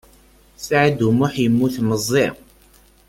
Saɛid U Muḥ yemmut meẓẓi.